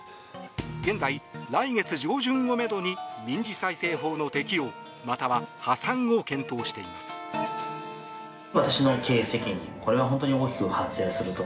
現在、来月上旬をめどに民事再生法の適用または破産を検討しています。